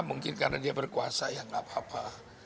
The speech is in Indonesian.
mungkin karena dia berkuasa ya nggak apa apa